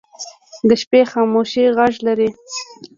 د شپې خاموشي غږ لري